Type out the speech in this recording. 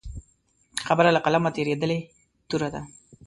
خبره له قلمه تېرېدلې توره ده.